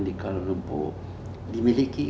di kuala lumpur dimiliki